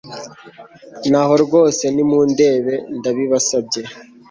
ngaho rwose nimundebe, ndabibasabye